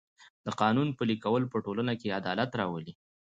د قانون پلي کول په ټولنه کې عدالت راولي.